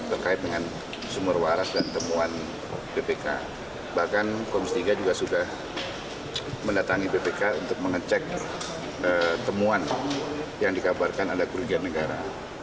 terkait pembelian lahan rumah sakit sumber waras yang diduga berpotensi merugikan negara